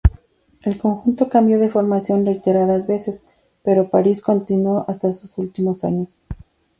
El conjunto cambió de formación reiteradas veces, pero Paris continuó hasta sus últimos años.